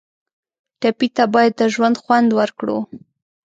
ټپي ته باید د ژوند خوند ورکړو.